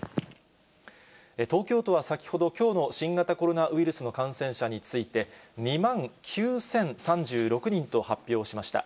東京都は先ほど、きょうの新型コロナウイルスの感染者について、２万９０３６人と発表しました。